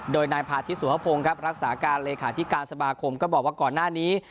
โดยนายพาธิสุภพงศ์ครับรักษาการเลขาธิการสมาคมก็บอกว่าก่อนหน้านี้